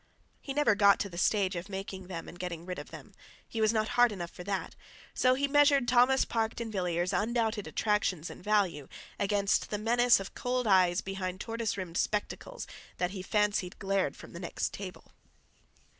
He never got to the stage of making them and getting rid of them—he was not hard enough for that—so he measured Thomas Parke D'Invilliers' undoubted attractions and value against the menace of cold eyes behind tortoise rimmed spectacles that he fancied glared from the next table.